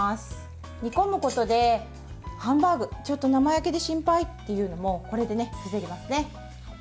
煮込むことでハンバーグちょっと生焼けで心配というのもこれで防げますね。